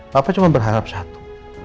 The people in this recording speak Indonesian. papa cuma berharap satu